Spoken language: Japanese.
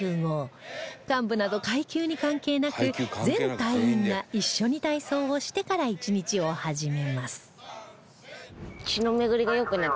幹部など階級に関係なく全隊員が一緒に体操をしてから一日を始めます